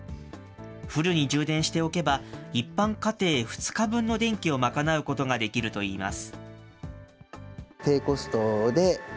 フルに充電しておけば、一般家庭２日分の電気を賄うことができるといいます。